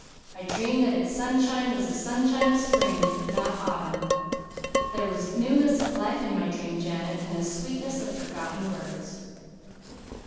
I dreamed that its sunshine was the sunshine of spring, not autumn. There was newness of life in my dream, Janet, and the sweetness of forgotten words."